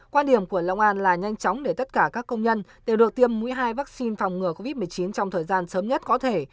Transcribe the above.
quan điểm của long an là nhanh chóng để tất cả các công nhân đều được tiêm mũi hai vaccine phòng ngừa covid một mươi chín trong thời gian sớm nhất có thể